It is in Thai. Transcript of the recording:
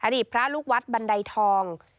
อดีตพระลูกวัดบันไดทอง